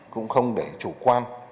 cũng không để chủ quan